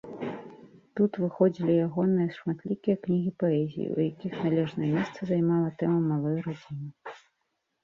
Тут выходзілі ягоныя шматлікія кнігі паэзіі, у якіх належнае месца займала тэма малой радзімы.